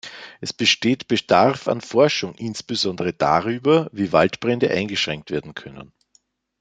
Es besteht Bedarf an Forschung insbesondere darüber, wie Waldbrände eingeschränkt werden können.